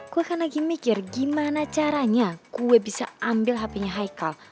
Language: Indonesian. gue kan lagi mikir gimana caranya gue bisa ambil hpnya haikal